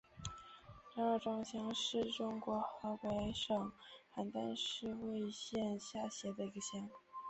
张二庄乡是中国河北省邯郸市魏县下辖的一个乡。